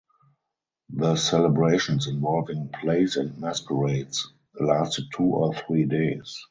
The celebrations involving "plays and masquerades" lasted two or three days.